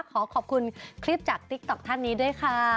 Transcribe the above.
ขอขอบคุณคลิปจากติ๊กต๊อกท่านนี้ด้วยค่ะ